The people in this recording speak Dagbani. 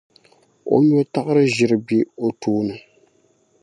o nyɔtaɣiri-ʒira be o tooni.